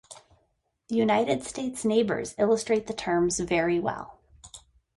The United States' neighbors illustrate the terms very well.